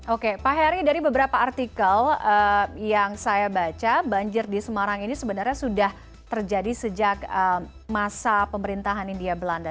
oke pak heri dari beberapa artikel yang saya baca banjir di semarang ini sebenarnya sudah terjadi sejak masa pemerintahan india belanda